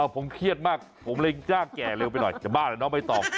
ผมเครียดมากผมเลยจ้างแก่เร็วไปหน่อยจะบ้าเหรอน้องใบตอง